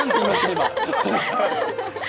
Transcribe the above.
今。